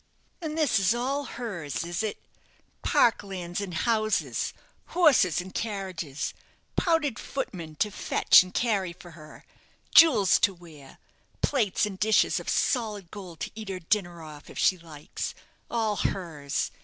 "And this is all hers, is it P lands and houses; horses and carriages; powdered footmen to fetch and carry for her; jewels to wear; plates and dishes of solid gold to eat her dinner off, if she likes! All hers!